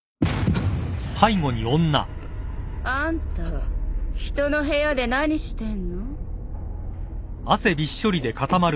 あんた人の部屋で何してんの？